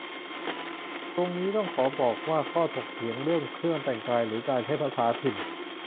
ตรงนี้ต้องขอบอกว่า ข้อถกเถียงเรื่องเครื่องแต่งกาย หรือ การใช้ภาษาถิ่น